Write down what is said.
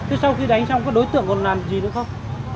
thế sau khi đánh xong có đối tượng còn làm gì nữa không